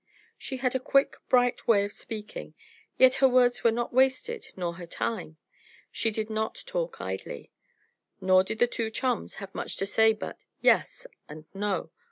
She had a quick, bright way of speaking; yet her words were not wasted nor her time. She did not talk idly. Nor did the two chums have much to say but "Yes" and "No."